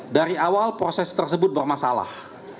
dari awal proses tersebut bermasalah